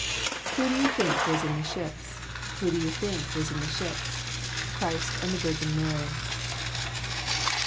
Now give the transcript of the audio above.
Who do you think was in the ships? Who do you think was in the ships? Christ and the Virgin Mary.